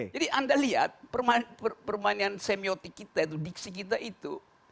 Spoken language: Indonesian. jadi anda lihat permainan semiotik kita itu diksi kita itu